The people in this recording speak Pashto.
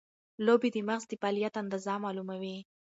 لوبې د مغز د فعالیت اندازه معلوموي.